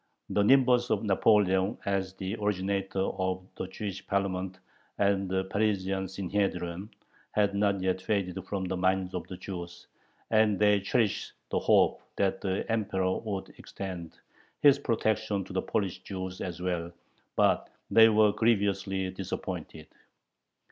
The nimbus of Napoleon as the originator of the "Jewish Parliament" and the Parisian Synhedrion, had not yet faded from the minds of the Jews, and they cherished the hope that the Emperor would extend his protection to the Polish Jews as well, but they were grievously disappointed.